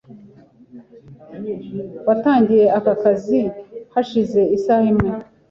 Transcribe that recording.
Watangiye aka kazi hashize isaha imwe.